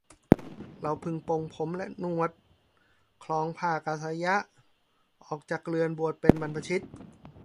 เราพึงปลงผมและหนวดครองผ้ากาสายะ ออกจากเรือนบวชเป็นบรรพชิต